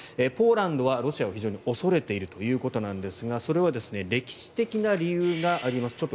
ポーランドはロシアを非常に恐れているということですがそれは歴史的な理由があります。